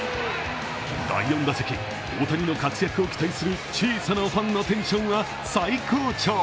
第４打席、大谷の活躍を期待する小さなファンのテンションは最高潮。